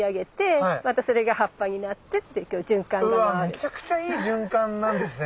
めちゃくちゃいい循環なんですね。